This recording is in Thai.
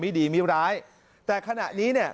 ไม่ดีไม่ร้ายแต่ขณะนี้เนี่ย